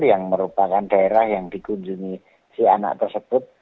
yang merupakan daerah yang dikunjungi si anak tersebut